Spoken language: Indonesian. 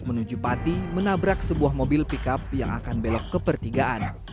menuju pati menabrak sebuah mobil pickup yang akan belok ke pertigaan